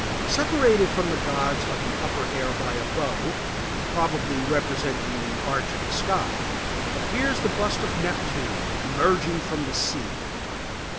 Separated from the gods of the upper air by a bow, probably representing the arch of the sky, appears the bust of Neptune, emerging from the sea.